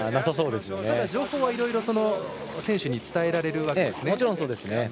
ただ、情報はいろいろ選手に伝えられるわけですね。